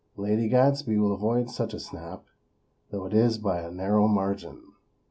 Lady Gadsby will avoid such a snap though it is by a narrow margin."